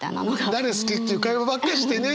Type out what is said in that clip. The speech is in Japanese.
「誰好き？」っていう会話ばっかしでね！